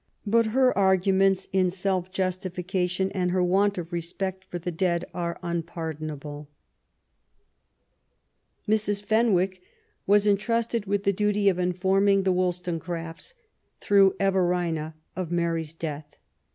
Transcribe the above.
But her argu ments in self justification and her want of respect for the dead are unpardonable. LAST MONTHS: DEATH. 207 Mrs. Fenwick was entrusted with the duty of inform ing the WoUstoneerafts, through Everina, of Mary's ^eath.